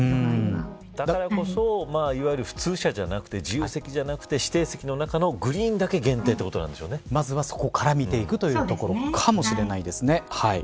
だからこそ普通車じゃなくて自由席じゃなくて指定席の中のグリーンだけ限定っていうことまずはそこから見ていくところかもしれないですね。